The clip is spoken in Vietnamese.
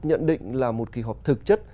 nhận định là một kỳ họp thực chất